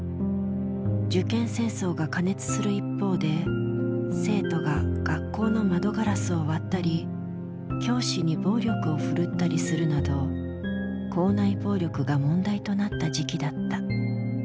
受験戦争が過熱する一方で生徒が学校の窓ガラスを割ったり教師に暴力をふるったりするなど校内暴力が問題となった時期だった。